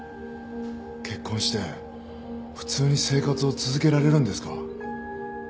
結婚して普通に生活を続けられるんですか？